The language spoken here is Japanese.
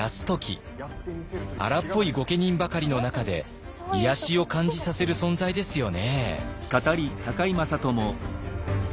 荒っぽい御家人ばかりの中で癒やしを感じさせる存在ですよね。